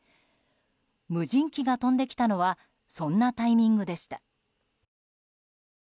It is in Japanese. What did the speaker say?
無人機が飛んできたのはそんなタイミングでした。